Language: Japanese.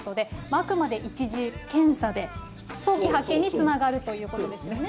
あくまで一次検査で早期発見につながるということですよね。